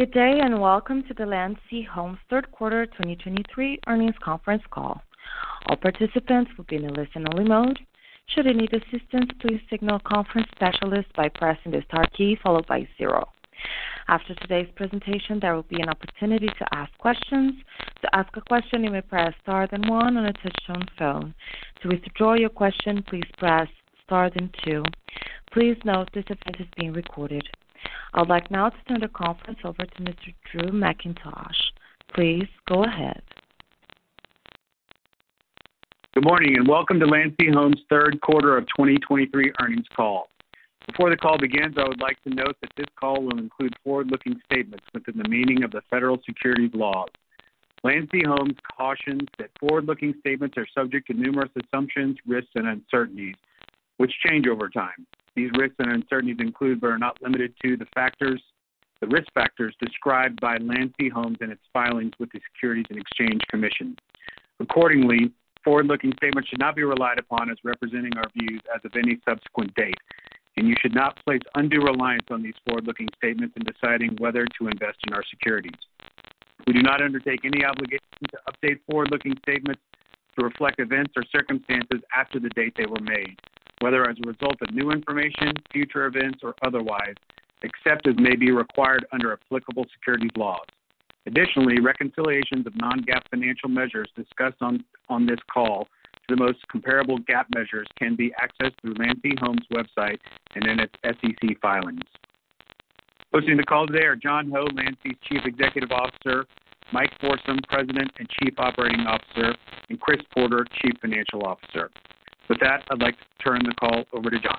Good day, and welcome to the Landsea Homes Third Quarter 2023 Earnings Conference Call. All participants will be in a listen-only mode. Should you need assistance, please signal a conference specialist by pressing the star key followed by zero. After today's presentation, there will be an opportunity to ask questions. To ask a question, you may press star one on a touch-tone phone. To withdraw your question, please press star then two. Please note this event is being recorded. I would like now to turn the conference over to Mr. Drew Mackintosh. Please go ahead. Good morning, and welcome to Landsea Homes' Third Quarter of 2023 Earnings Call. Before the call begins, I would like to note that this call will include forward-looking statements within the meaning of the federal securities laws. Landsea Homes cautions that forward-looking statements are subject to numerous assumptions, risks, and uncertainties, which change over time. These risks and uncertainties include, but are not limited to, the factors... the risk factors described by Landsea Homes in its filings with the Securities and Exchange Commission. Accordingly, forward-looking statements should not be relied upon as representing our views as of any subsequent date, and you should not place undue reliance on these forward-looking statements in deciding whether to invest in our securities. We do not undertake any obligation to update forward-looking statements to reflect events or circumstances after the date they were made, whether as a result of new information, future events, or otherwise, except as may be required under applicable securities laws. Additionally, reconciliations of non-GAAP financial measures discussed on this call to the most comparable GAAP measures can be accessed through Landsea Homes' website and in its SEC filings. Hosting the call today are John Ho, Landsea's Chief Executive Officer, Mike Forsum, President and Chief Operating Officer, and Chris Porter, Chief Financial Officer. With that, I'd like to turn the call over to John.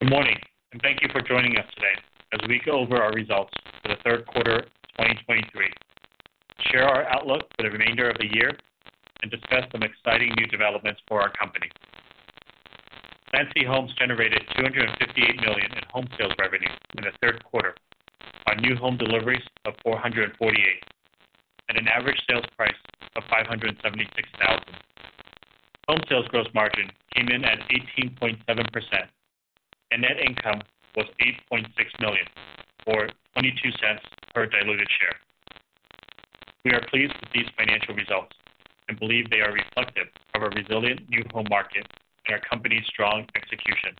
Good morning, and thank you for joining us today as we go over our results for the third quarter of 2023, share our outlook for the remainder of the year, and discuss some exciting new developments for our company. Landsea Homes generated $258 million in home sales revenue in the third quarter on new home deliveries of 448, at an average sales price of $576,000. Home sales gross margin came in at 18.7%, and net income was $8.6 million, or $0.22 per diluted share. We are pleased with these financial results and believe they are reflective of our resilient new home market and our company's strong execution.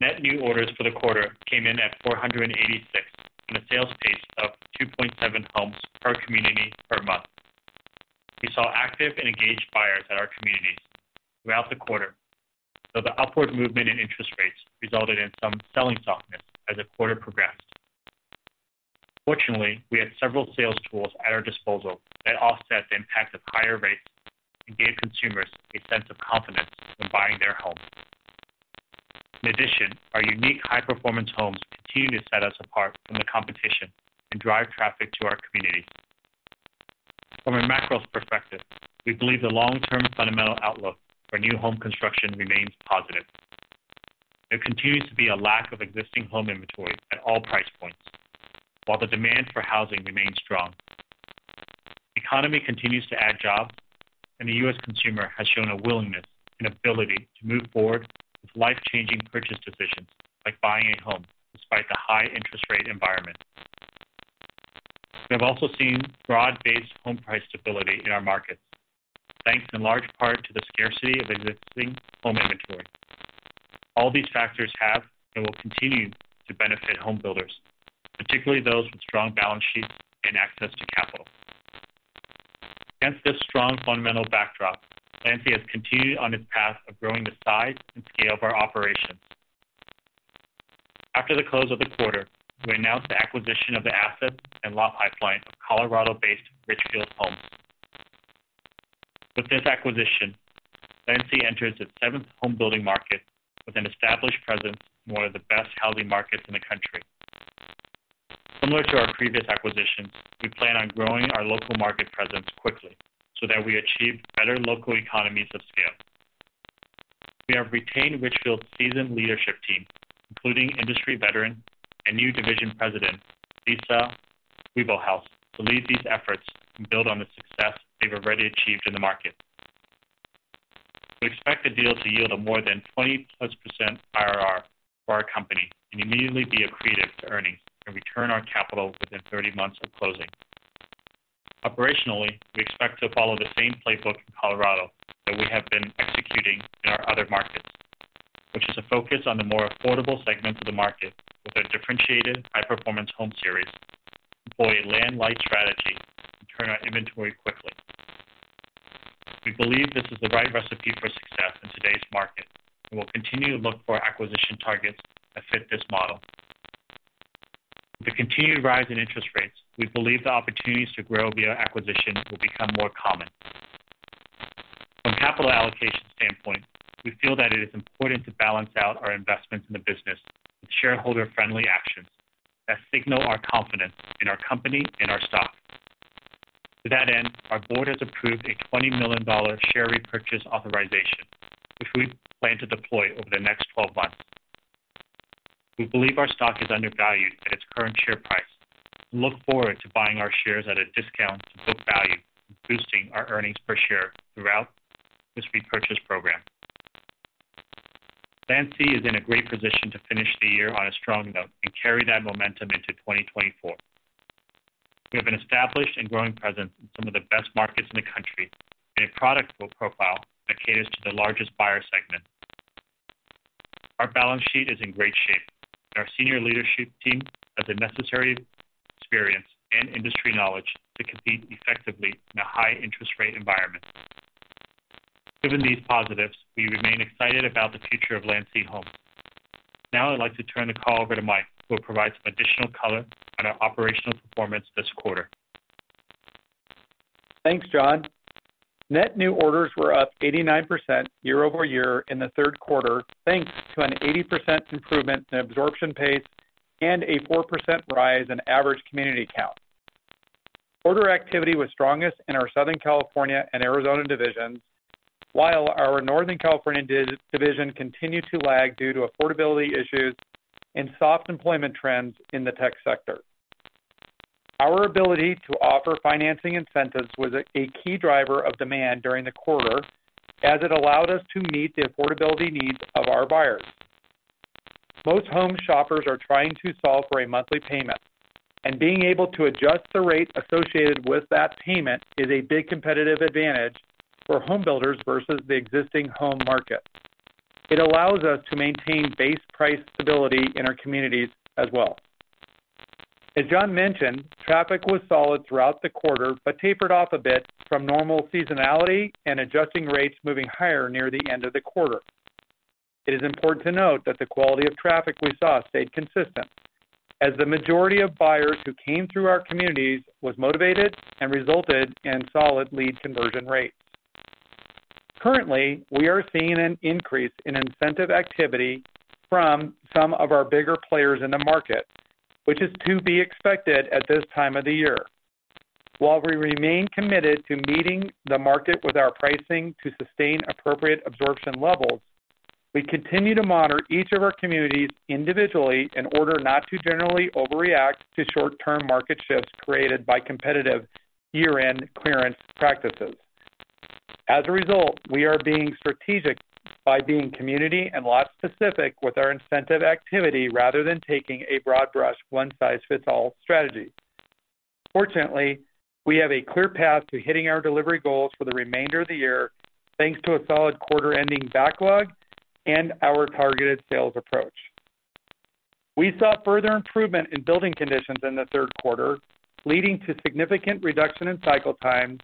Net new orders for the quarter came in at 486 on a sales pace of 2.7 homes per community per month. We saw active and engaged buyers at our communities throughout the quarter, though the upward movement in interest rates resulted in some selling softness as the quarter progressed. Fortunately, we had several sales tools at our disposal that offset the impact of higher rates and gave consumers a sense of confidence when buying their homes. In addition, our unique, High Performance Homes continue to set us apart from the competition and drive traffic to our communities. From a macro perspective, we believe the long-term fundamental outlook for new home construction remains positive. There continues to be a lack of existing home inventory at all price points, while the demand for housing remains strong. The economy continues to add jobs, and the U.S. consumer has shown a willingness and ability to move forward with life-changing purchase decisions, like buying a home despite the high interest rate environment. We have also seen broad-based home price stability in our markets, thanks in large part to the scarcity of existing home inventory. All these factors have and will continue to benefit homebuilders, particularly those with strong balance sheets and access to capital. Against this strong fundamental backdrop, Landsea has continued on its path of growing the size and scale of our operations. After the close of the quarter, we announced the acquisition of the assets and lot pipeline of Colorado-based Richfield Homes. With this acquisition, Landsea enters its seventh home building market with an established presence in one of the best housing markets in the country. Similar to our previous acquisitions, we plan on growing our local market presence quickly so that we achieve better local economies of scale. We have retained Richfield's seasoned leadership team, including industry veteran and new Division President, Lisa Wiebelhaus, to lead these efforts and build on the success they've already achieved in the market. We expect the deal to yield a more than 20+% IRR for our company and immediately be accretive to earnings and return our capital within 30 months of closing. Operationally, we expect to follow the same playbook in Colorado that we have been executing in our other markets, which is to focus on the more affordable segments of the market with our differentiated High Performance Home series, employ a land-light strategy, and turn our inventory quickly. We believe this is the right recipe for success in today's market, and we'll continue to look for acquisition targets that fit this model. With the continued rise in interest rates, we believe the opportunities to grow via acquisition will become more common. From a capital allocation standpoint, we feel that it is important to balance out our investments in the business with shareholder-friendly actions that signal our confidence in our company and our stock. To that end, our board has approved a $20 million share repurchase authorization, which we plan to deploy over the next 12 months. We believe our stock is undervalued at its current share price. We look forward to buying our shares at a discount to book value, and boosting our earnings per share throughout this repurchase program. Landsea is in a great position to finish the year on a strong note and carry that momentum into 2024. We have an established and growing presence in some of the best markets in the country, and a product profile that caters to the largest buyer segment. Our balance sheet is in great shape, and our senior leadership team has the necessary experience and industry knowledge to compete effectively in a high interest rate environment. Given these positives, we remain excited about the future of Landsea Homes. Now, I'd like to turn the call over to Mike, who will provide some additional color on our operational performance this quarter. Thanks, John. Net new orders were up 89% year-over-year in the third quarter, thanks to an 80% improvement in absorption pace and a 4% rise in average community count. Order activity was strongest in our Southern California and Arizona divisions, while our Northern California division continued to lag due to affordability issues and soft employment trends in the tech sector. Our ability to offer financing incentives was a key driver of demand during the quarter, as it allowed us to meet the affordability needs of our buyers. Most home shoppers are trying to solve for a monthly payment, and being able to adjust the rate associated with that payment is a big competitive advantage for homebuilders versus the existing home market. It allows us to maintain base price stability in our communities as well. As John mentioned, traffic was solid throughout the quarter, but tapered off a bit from normal seasonality and adjusting rates moving higher near the end of the quarter. It is important to note that the quality of traffic we saw stayed consistent, as the majority of buyers who came through our communities was motivated and resulted in solid lead conversion rates. Currently, we are seeing an increase in incentive activity from some of our bigger players in the market, which is to be expected at this time of the year. While we remain committed to meeting the market with our pricing to sustain appropriate absorption levels, we continue to monitor each of our communities individually in order not to generally overreact to short-term market shifts created by competitive year-end clearance practices. As a result, we are being strategic by being community and lot specific with our incentive activity, rather than taking a broad brush, one-size-fits-all strategy. Fortunately, we have a clear path to hitting our delivery goals for the remainder of the year, thanks to a solid quarter-ending backlog and our targeted sales approach. We saw further improvement in building conditions in the third quarter, leading to significant reduction in cycle times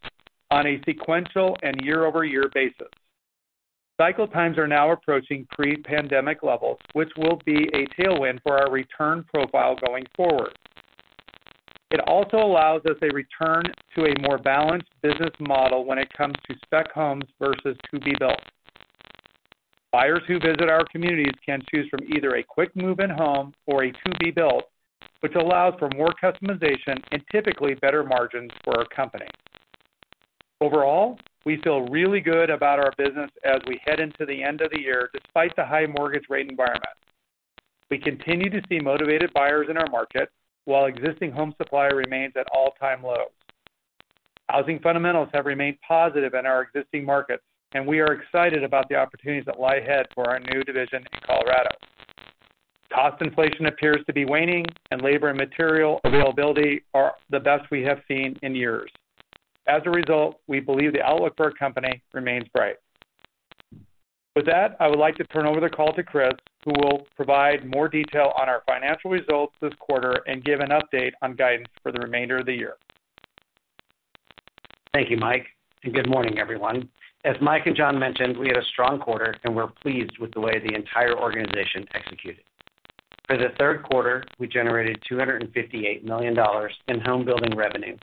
on a sequential and year-over-year basis. Cycle times are now approaching pre-pandemic levels, which will be a tailwind for our return profile going forward. It also allows us a return to a more balanced business model when it comes to spec homes versus to-be builds. Buyers who visit our communities can choose from either a quick move-in home or a to-be build, which allows for more customization and typically better margins for our company. Overall, we feel really good about our business as we head into the end of the year, despite the high mortgage rate environment. We continue to see motivated buyers in our market, while existing home supply remains at all-time lows. Housing fundamentals have remained positive in our existing markets, and we are excited about the opportunities that lie ahead for our new division in Colorado. Cost inflation appears to be waning, and labor and material availability are the best we have seen in years. As a result, we believe the outlook for our company remains bright. With that, I would like to turn over the call to Chris, who will provide more detail on our financial results this quarter and give an update on guidance for the remainder of the year. Thank you, Mike, and good morning, everyone. As Mike and John mentioned, we had a strong quarter, and we're pleased with the way the entire organization executed. For the third quarter, we generated $258 million in home building revenue,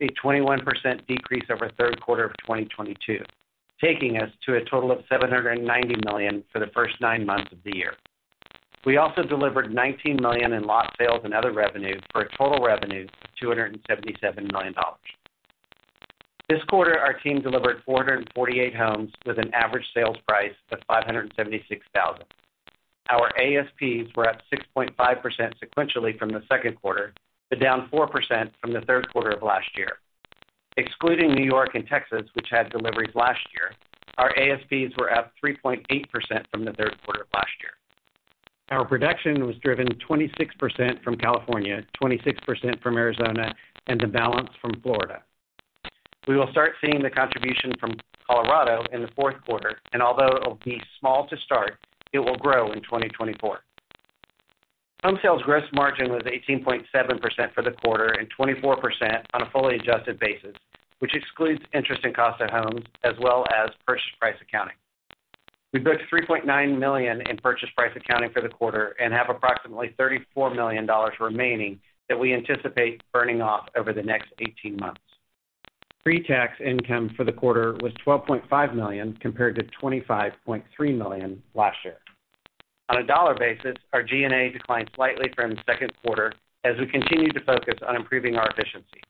a 21% decrease over third quarter of 2022, taking us to a total of $790 million for the first nine months of the year. We also delivered $19 million in lot sales and other revenue, for a total revenue of $277 million. This quarter, our team delivered 448 homes with an average sales price of $576,000. Our ASPs were up 6.5% sequentially from the second quarter, but down 4% from the third quarter of last year. Excluding New York and Texas, which had deliveries last year, our ASPs were up 3.8% from the third quarter of last year. Our production was driven 26% from California, 26% from Arizona, and the balance from Florida. We will start seeing the contribution from Colorado in the fourth quarter, and although it will be small to start, it will grow in 2024. Home sales gross margin was 18.7% for the quarter and 24% on a fully adjusted basis, which excludes interest and cost of homes as well as purchase price accounting. We booked $3.9 million in purchase price accounting for the quarter and have approximately $34 million remaining that we anticipate burning off over the next eighteen months. Pre-tax income for the quarter was $12.5 million, compared to $25.3 million last year. On a dollar basis, our G&A declined slightly from the second quarter as we continued to focus on improving our efficiency.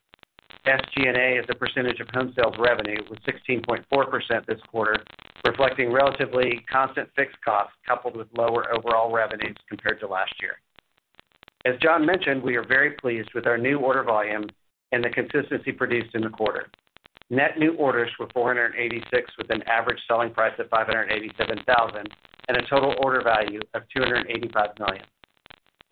SG&A as a percentage of home sales revenue was 16.4% this quarter, reflecting relatively constant fixed costs coupled with lower overall revenues compared to last year. As John mentioned, we are very pleased with our new order volume and the consistency produced in the quarter. Net new orders were 486, with an average selling price of $587,000, and a total order value of $285 million.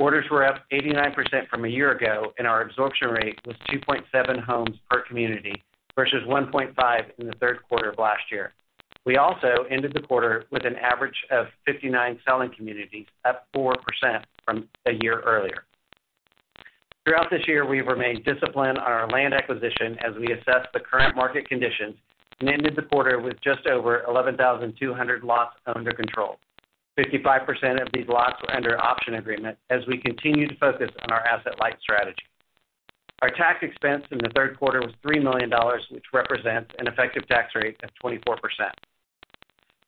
Orders were up 89% from a year ago, and our absorption rate was 2.7 homes per community versus 1.5 in the third quarter of last year. We also ended the quarter with an average of 59 selling communities, up 4% from a year earlier. Throughout this year, we've remained disciplined on our land acquisition as we assess the current market conditions, and ended the quarter with just over 11,200 lots under control. 55% of these lots were under option agreement as we continue to focus on our asset-light strategy. Our tax expense in the third quarter was $3 million, which represents an effective tax rate of 24%.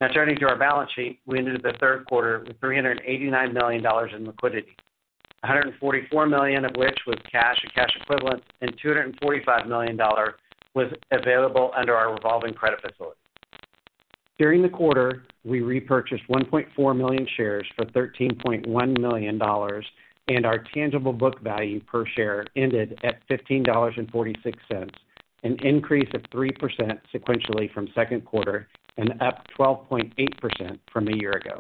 Now, turning to our balance sheet, we ended the third quarter with $389 million in liquidity, $144 million of which was cash and cash equivalent, and $245 million was available under our revolving credit facility. During the quarter, we repurchased 1.4 million shares for $13.1 million, and our tangible book value per share ended at $15.46, an increase of 3% sequentially from second quarter and up 12.8% from a year ago.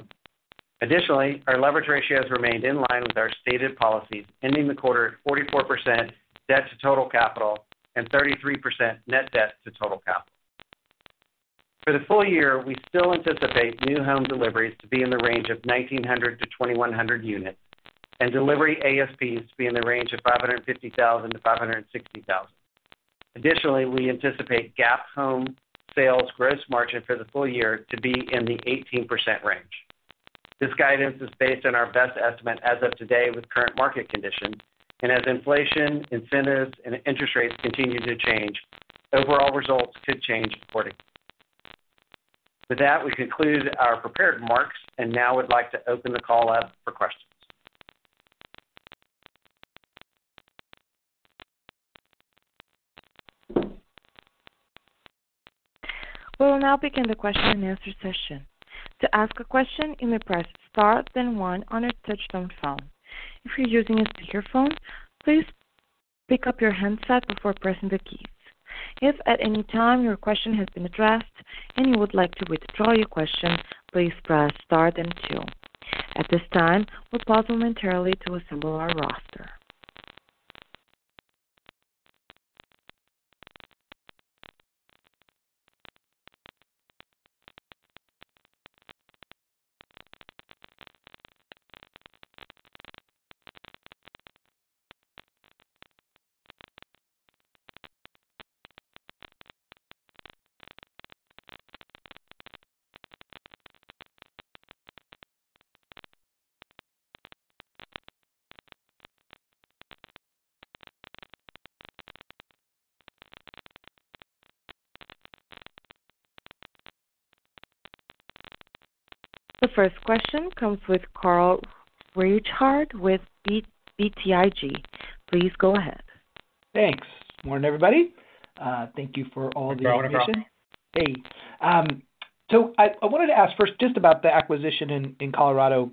Additionally, our leverage ratio has remained in line with our stated policies, ending the quarter at 44% debt to total capital and 33% net debt to total capital. For the full year, we still anticipate new home deliveries to be in the range of 1,900-2,100 units, and delivery ASPs to be in the range of $550,000-$560,000. Additionally, we anticipate GAAP home sales gross margin for the full year to be in the 18% range. This guidance is based on our best estimate as of today with current market conditions, and as inflation, incentives, and interest rates continue to change, overall results could change accordingly. With that, we conclude our prepared remarks and now would like to open the call up for questions. We will now begin the question and answer session. To ask a question, you may press star, then one on a touch-tone phone. If you're using a speakerphone, please pick up your handset before pressing the keys. If at any time your question has been addressed and you would like to withdraw your question, please press star then two. At this time, we'll pause momentarily to assemble our roster. The first question comes with Carl Reichardt with BTIG. Please go ahead. Thanks. Morning, everybody. Thank you for all the information. Good morning, Carl. Hey, so I wanted to ask first just about the acquisition in Colorado.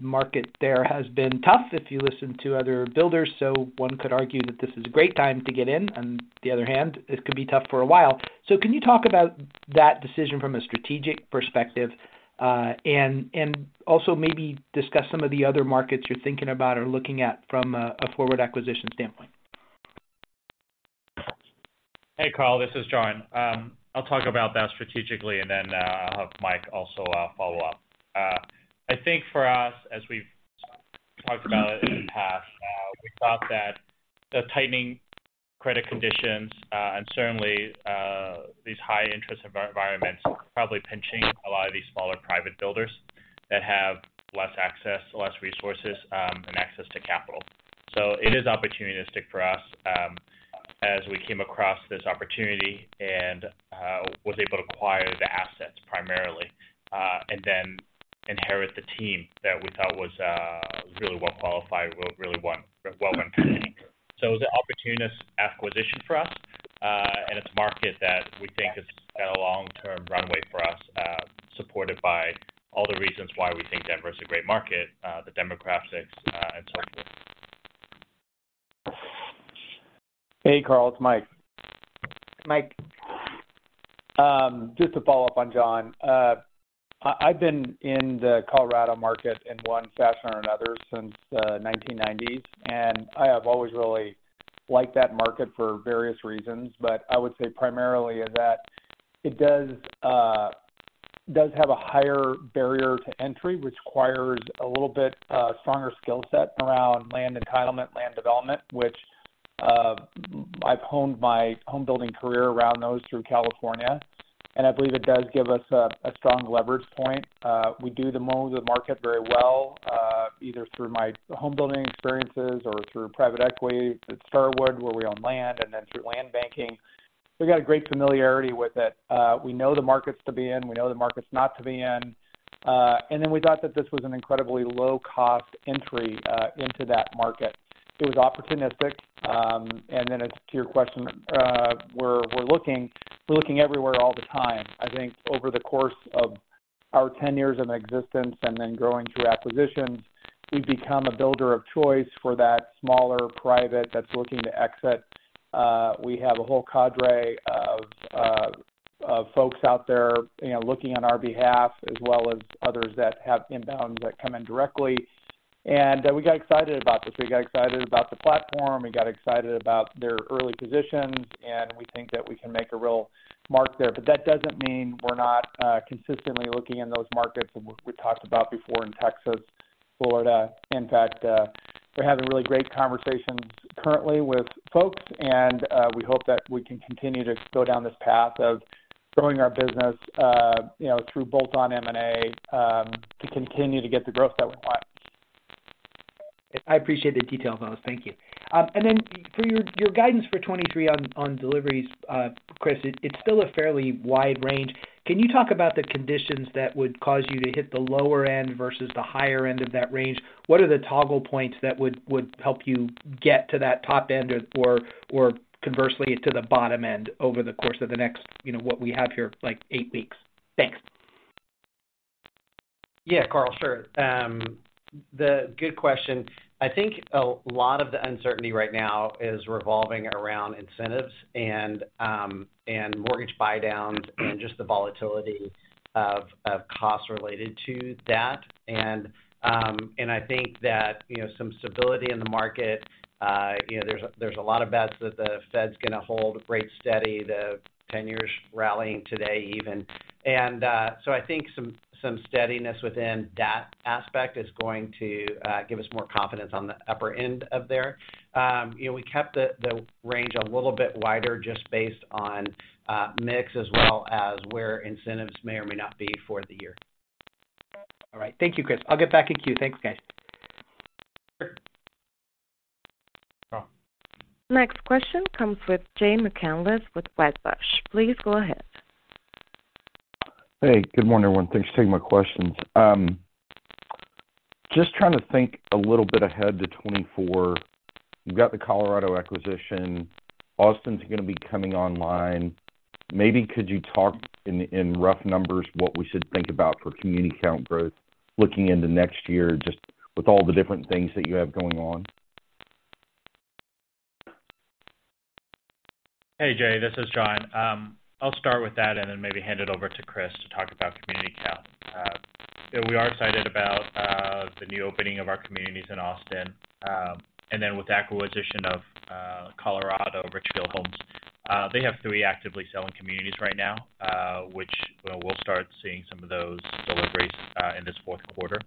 Market there has been tough if you listen to other builders. So one could argue that this is a great time to get in, on the other hand, it could be tough for a while. So can you talk about that decision from a strategic perspective, and also maybe discuss some of the other markets you're thinking about or looking at from a forward acquisition standpoint? Hey, Carl, this is John. I'll talk about that strategically, and then I'll have Mike also follow up. I think for us, as we've talked about it in the past, we thought that the tightening credit conditions and certainly these high interest environments are probably pinching a lot of these smaller private builders that have less access, less resources, and access to capital. So it is opportunistic for us, as we came across this opportunity and was able to acquire the assets primarily and then inherit the team that we thought was really well qualified. So it was an opportunistic acquisition for us, and it's a market that we think is a long-term runway for us, supported by all the reasons why we think Denver is a great market, the demographics, and so on. Hey, Carl, it's Mike. Mike. Just to follow up on John. I've been in the Colorado market in one fashion or another since the 1990s, and I have always really liked that market for various reasons. But I would say primarily is that it does, does have a higher barrier to entry, which requires a little bit, stronger skill set around land entitlement, land development, which, I've honed my home building career around those through California, and I believe it does give us a strong leverage point. We do the mold of the market very well, either through my home building experiences or through private equity at Starwood, where we own land, and then through land banking. We've got a great familiarity with it. We know the markets to be in, we know the markets not to be in. And then we thought that this was an incredibly low-cost entry into that market. It was opportunistic. And then as to your question, we're looking everywhere all the time. I think over the course of our ten years of existence and then growing through acquisition, we've become a builder of choice for that smaller private that's looking to exit. We have a whole cadre of folks out there, you know, looking on our behalf, as well as others that have inbounds that come in directly. And we got excited about this. We got excited about the platform, we got excited about their early positions, and we think that we can make a real mark there. But that doesn't mean we're not consistently looking in those markets that we talked about before in Texas, Florida. In fact, we're having really great conversations currently with folks, and we hope that we can continue to go down this path of growing our business, you know, through bolt-on M&A, to continue to get the growth that we want. I appreciate the details on those. Thank you. And then for your guidance for 2023 on deliveries, Chris, it's still a fairly wide range. Can you talk about the conditions that would cause you to hit the lower end versus the higher end of that range? What are the toggle points that would help you get to that top end or, conversely, to the bottom end over the course of the next, you know, what we have here, like, eight weeks? Thanks. Yeah, Carl. Sure. The good question. I think a lot of the uncertainty right now is revolving around incentives and mortgage buydowns and just the volatility of costs related to that. And I think that, you know, some stability in the market, you know, there's a lot of bets that the Fed's going to hold rates steady, the 10-year is rallying today even. And so I think some steadiness within that aspect is going to give us more confidence on the upper end of there. You know, we kept the range a little bit wider just based on mix as well as where incentives may or may not be for the year. All right. Thank you, Chris. I'll get back in queue. Thanks, guys. Sure. Next question comes with Jay McCanless with Wedbush. Please go ahead. Hey, good morning, everyone. Thanks for taking my questions. Just trying to think a little bit ahead to 2024. You've got the Colorado acquisition. Austin's going to be coming online. Maybe could you talk in rough numbers, what we should think about for community count growth looking into next year, just with all the different things that you have going on? Hey, Jay, this is John. I'll start with that and then maybe hand it over to Chris to talk about community count. We are excited about the new opening of our communities in Austin. And then with the acquisition of Colorado, Richfield Homes, they have three actively selling communities right now, which we'll start seeing some of those deliveries in this fourth quarter.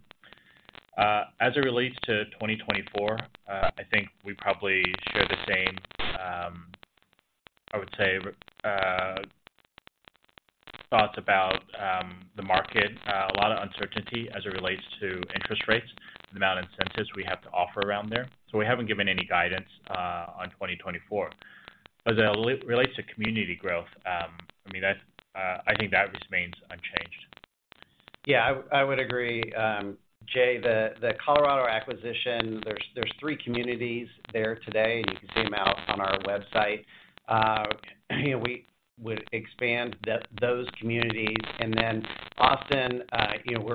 As it relates to 2024, I think we probably share the same, I would say, thoughts about the market. A lot of uncertainty as it relates to interest rates and the amount of incentives we have to offer around there, so we haven't given any guidance on 2024. As it relates to community growth, I mean, that's, I think that remains unchanged. Yeah, I would agree. Jay, the Colorado acquisition, there's three communities there today, and you can see them out on our website. You know, we would expand those communities. And then Austin, you know,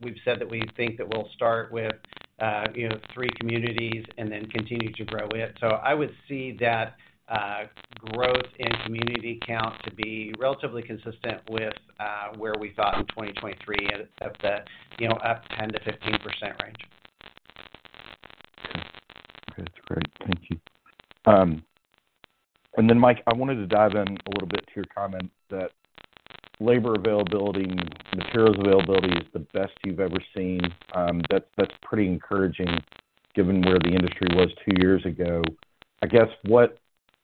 we've said that we think that we'll start with, you know, three communities and then continue to grow it. So I would see that growth in community count to be relatively consistent with where we thought in 2023, at the, you know, up 10%-15% range. Okay. That's great. Thank you. And then, Mike, I wanted to dive in a little bit to your comment that labor availability, materials availability is the best you've ever seen. That's pretty encouraging given where the industry was two years ago. I guess what...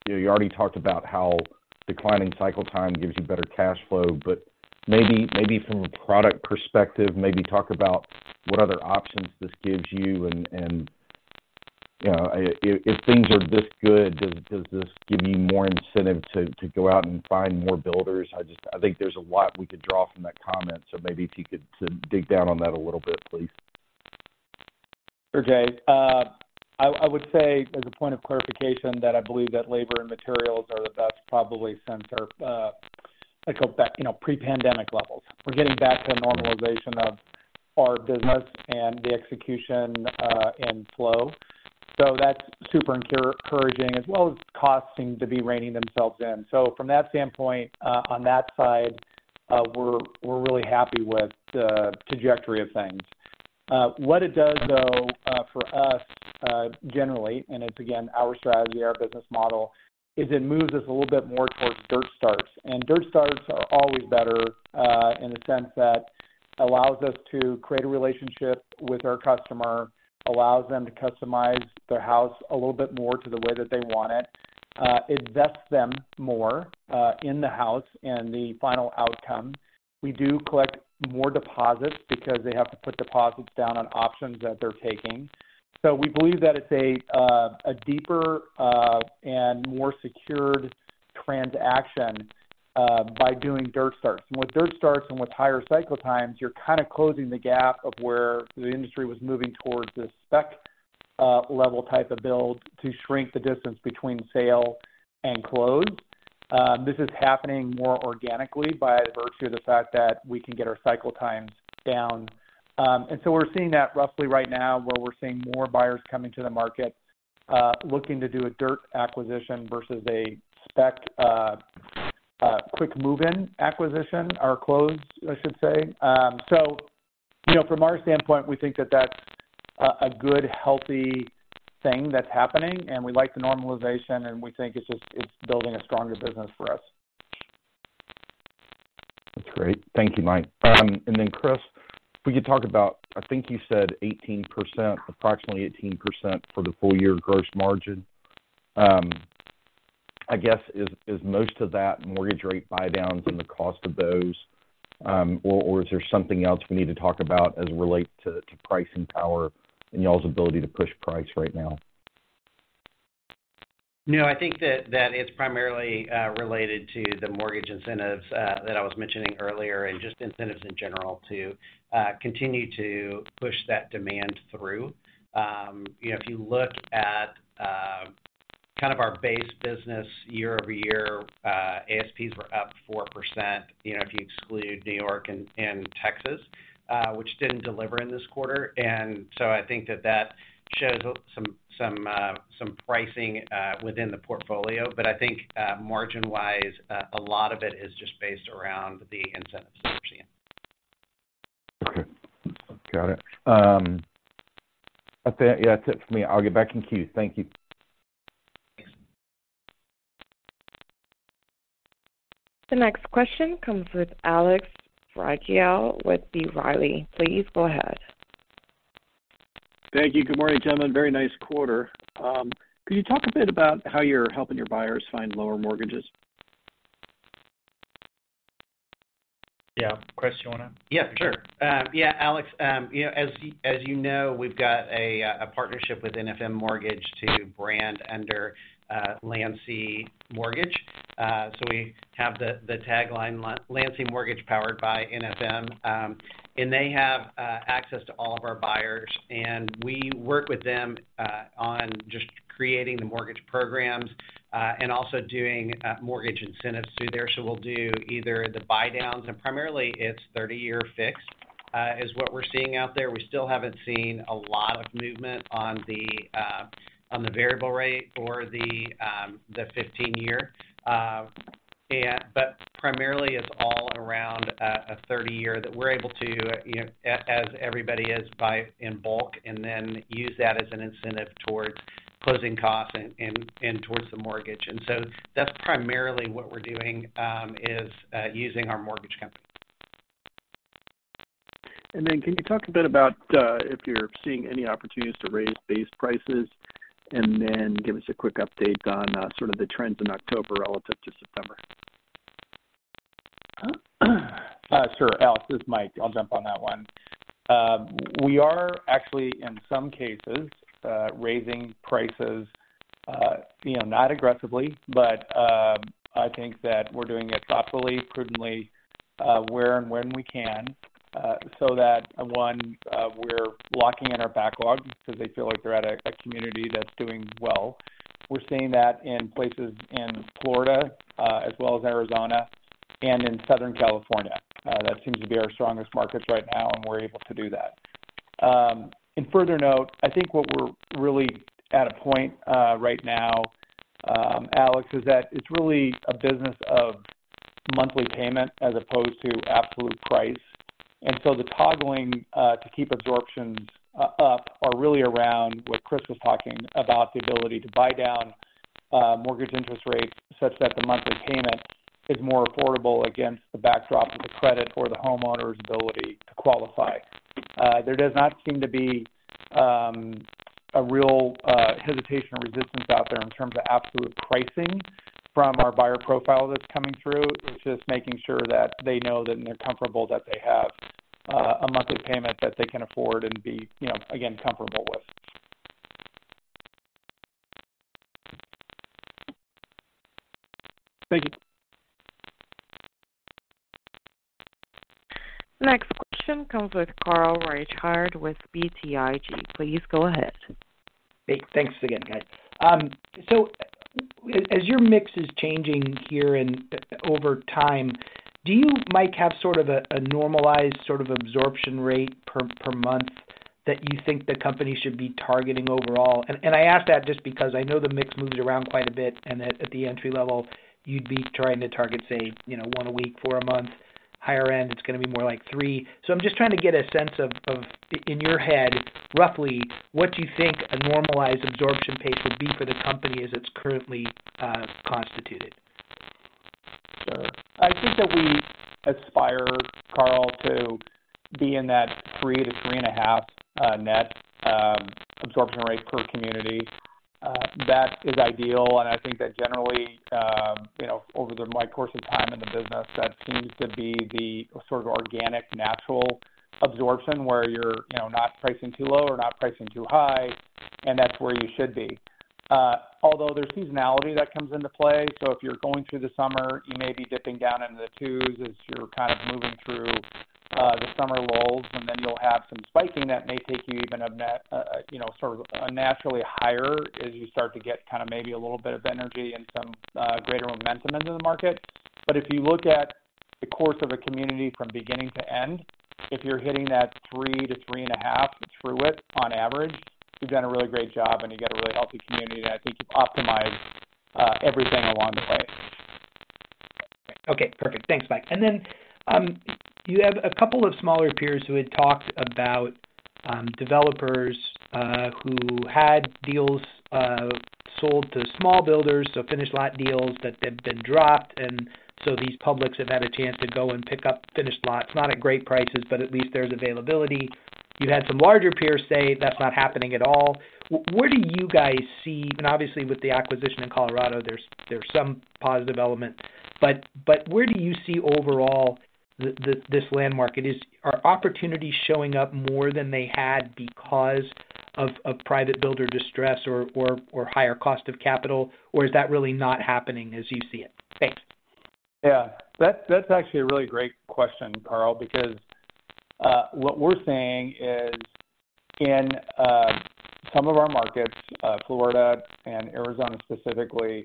You already talked about how declining cycle time gives you better cash flow, but maybe from a product perspective, maybe talk about what other options this gives you. And you know, if things are this good, does this give you more incentive to go out and find more builders? I just—I think there's a lot we could draw from that comment, so maybe if you could sort of dig down on that a little bit, please. Sure, Jay. I would say, as a point of clarification, that I believe that labor and materials are the best, probably since our, like, go back, you know, pre-pandemic levels. We're getting back to a normalization of our business and the execution and flow. So that's super encouraging as well as costs seem to be reining themselves in. So from that standpoint, on that side, we're really happy with the trajectory of things. What it does though, for us, generally, and it's again, our land-light business model, is it moves us a little bit more towards dirt starts. Dirt starts are always better in the sense that allows us to create a relationship with our customer, allows them to customize their house a little bit more to the way that they want it, invest them more in the house and the final outcome. We do collect more deposits because they have to put deposits down on options that they're taking. So we believe that it's a deeper and more secured transaction by doing dirt starts. With dirt starts and with higher cycle times, you're kind of closing the gap of where the industry was moving towards this spec level type of build to shrink the distance between sale and close. This is happening more organically by virtue of the fact that we can get our cycle times down. And so we're seeing that roughly right now, where we're seeing more buyers coming to the market, looking to do a dirt acquisition versus a spec, quick move-in acquisition or close, I should say. So, you know, from our standpoint, we think that that's a good, healthy thing that's happening, and we like the normalization, and we think it's building a stronger business for us. That's great. Thank you, Mike. And then, Chris, if we could talk about, I think you said 18%, approximately 18% for the full year gross margin. I guess, is most of that mortgage rate buydowns and the cost of those, or is there something else we need to talk about as it relate to pricing power and y'all's ability to push price right now? No, I think that it's primarily related to the mortgage incentives that I was mentioning earlier, and just incentives in general to continue to push that demand through. You know, if you look at kind of our base business year-over-year, ASPs were up 4%, you know, if you exclude New York and Texas, which didn't deliver in this quarter. And so I think that that shows some pricing within the portfolio. But I think margin-wise, a lot of it is just based around the incentive solution. Okay, got it. I think, yeah, that's it for me. I'll get back in queue. Thank you. The next question comes with Alex Rygiel with B. Riley. Please go ahead. Thank you. Good morning, gentlemen. Very nice quarter. Could you talk a bit about how you're helping your buyers find lower mortgages? Yeah. Chris, you want to- Yeah, sure. Yeah, Alex, you know, as you know, we've got a partnership with NFM Mortgage to brand under Landsea Mortgage. So we have the tagline, "Landsea Mortgage, Powered by NFM." And they have access to all of our buyers, and we work with them on just creating the mortgage programs and also doing mortgage incentives through there. So we'll do either the buydowns, and primarily it's 30-year fixed is what we're seeing out there. We still haven't seen a lot of movement on the variable rate or the 15-year. And but primarily, it's all around a 30-year that we're able to, you know, as everybody is, buy in bulk and then use that as an incentive towards closing costs and towards the mortgage. And so that's primarily what we're doing, using our mortgage company. Can you talk a bit about if you're seeing any opportunities to raise base prices, and then give us a quick update on sort of the trends in October relative to September? Sure, Alex, this is Mike. I'll jump on that one. We are actually, in some cases, raising prices, you know, not aggressively, but, I think that we're doing it thoughtfully, prudently, where and when we can, so that, one, we're locking in our backlog because they feel like they're at a community that's doing well. We're seeing that in places in Florida, as well as Arizona and in Southern California. That seems to be our strongest markets right now, and we're able to do that. In further note, I think what we're really at a point, right now, Alex, is that it's really a business of monthly payment as opposed to absolute price. And so the toggling to keep absorptions up are really around what Chris was talking about, the ability to buy down mortgage interest rates such that the monthly payment is more affordable against the backdrop of the credit or the homeowner's ability to qualify. There does not seem to be a real hesitation or resistance out there in terms of absolute pricing from our buyer profile that's coming through. It's just making sure that they know and they're comfortable that they have a monthly payment that they can afford and be, you know, again, comfortable with. Thank you. Next question comes with Carl Reichardt with BTIG. Please go ahead. Hey, thanks again, guys. So as your mix is changing here and over time, do you, Mike, have sort of a normalized sort of absorption rate per month that you think the company should be targeting overall? And I ask that just because I know the mix moves around quite a bit, and at the entry level, you'd be trying to target, say, you know, one a week for a month. Higher end, it's going to be more like three. So I'm just trying to get a sense of in your head, roughly, what you think a normalized absorption pace would be for the company as it's currently constituted. Sure. I think that we aspire, Carl, to be in that 3-3.5 net absorption rate per community. That is ideal, and I think that generally, you know, over my course of time in the business, that seems to be the sort of organic, natural absorption, where you're, you know, not pricing too low or not pricing too high. And that's where you should be. Although there's seasonality that comes into play, so if you're going through the summer, you may be dipping down into the twos as you're kind of moving through the summer lulls, and then you'll have some spiking that may take you even a net, you know, sort of unnaturally higher as you start to get kind of maybe a little bit of energy and some greater momentum into the market. If you look at the course of a community from beginning to end, if you're hitting that 3-3.5 through it on average, you've done a really great job, and you've got a really healthy community, and I think you've optimized everything along the way. Okay, perfect. Thanks, Mike. And then, you have a couple of smaller peers who had talked about developers who had deals sold to small builders, so finished lot deals that have been dropped, and so these publics have had a chance to go and pick up finished lots. Not at great prices, but at least there's availability. You had some larger peers say that's not happening at all. Where do you guys see, and obviously with the acquisition in Colorado, there's some positive element, but where do you see overall this land market? Are opportunities showing up more than they had because of private builder distress or higher cost of capital, or is that really not happening as you see it? Thanks. Yeah. That's, that's actually a really great question, Carl, because what we're seeing is in some of our markets, Florida and Arizona specifically,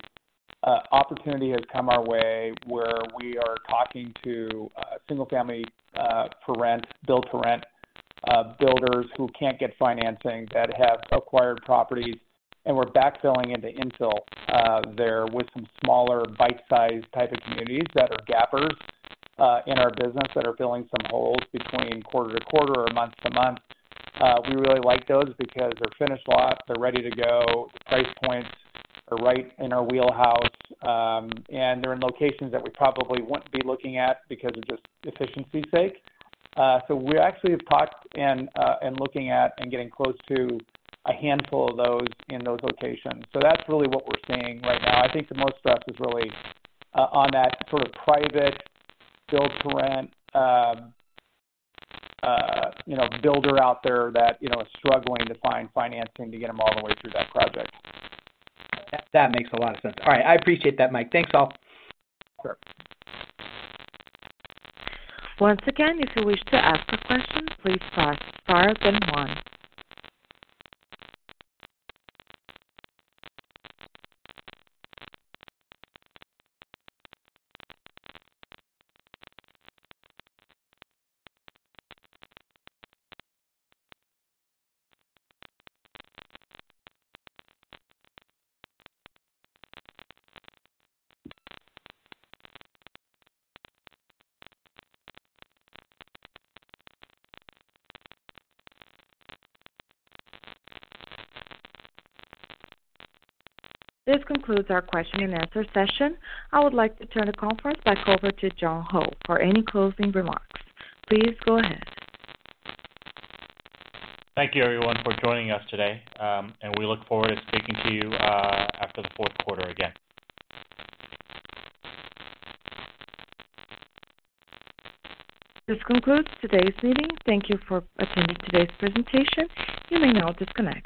opportunity has come our way where we are talking to single family for rent, build-to-rent builders who can't get financing, that have acquired properties, and we're backfilling into infill there with some smaller bite-sized type of communities that are gappers in our business, that are filling some holes between quarter to quarter or month to month. We really like those because they're finished lots, they're ready to go, price points are right in our wheelhouse, and they're in locations that we probably wouldn't be looking at because of just efficiency's sake. So we actually have talked and and looking at and getting close to a handful of those in those locations. So that's really what we're seeing right now. I think the most stuff is really on that sort of private build-to-rent, you know, builder out there that, you know, is struggling to find financing to get them all the way through that project. That makes a lot of sense. All right. I appreciate that, Mike. Thanks, all. Sure. Once again, if you wish to ask a question, please press star then one. This concludes our question and answer session. I would like to turn the conference back over to John Ho for any closing remarks. Please go ahead. Thank you, everyone, for joining us today, and we look forward to speaking to you after the fourth quarter again. This concludes today's meeting. Thank you for attending today's presentation. You may now disconnect.